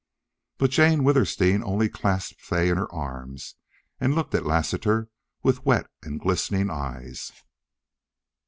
But Jane Withersteen only clasped Fay in her arms, and looked at Lassiter with wet and glistening eyes.